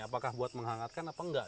apakah buat menghangatkan apa enggak